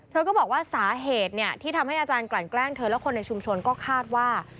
เธอก็บอกว่าสาเหตุที่ทำให้อาจารย์กลั่นแกล้งเธอและคนในชุมชนก็คาดว่า